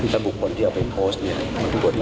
แล้วบุคคลที่เอาไปโพสต์เนี่ย